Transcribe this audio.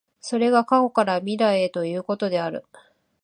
それが過去から未来へということである。